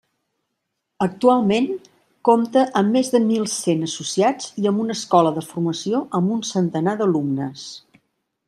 Actualment compta amb més de mil cent associats i amb una escola de formació amb un centenar d'alumnes.